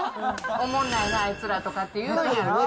おもんないな、あいつらって言うんやろ。